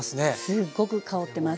すっごく香ってます。